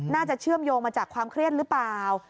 เชื่อมโยงมาจากความเครียดหรือเปล่า